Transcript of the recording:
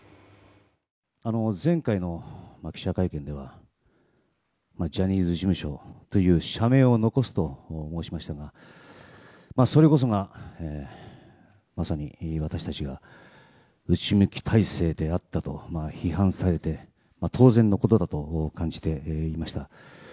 前回の記者会見ではジャニーズ事務所という社名を残すと申しましたがそれこそが、まさに私たちが内向き体制であったと批判されて当然のことだと感じていました。